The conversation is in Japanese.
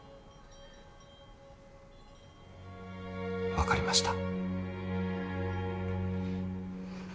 分かりました。